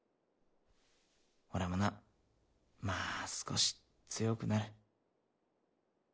俺もなま少し強くなる。